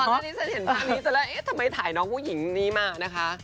ตอนนี้สายเห็นแบบชนิดนึกแล้วเอ๊ะทำไมถ่ายน้องผู้หญิงนี่มาคะ